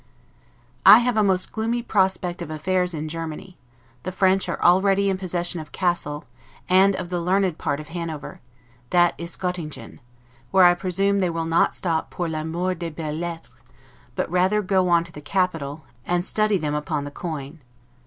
I have a most gloomy prospect of affairs in Germany; the French are already in possession of Cassel, and of the learned part of Hanover, that is Gottingen; where I presume they will not stop 'pour l'amour des belles lettres', but rather go on to the capital, and study them upon the coin.